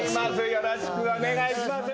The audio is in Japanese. よろしくお願いします。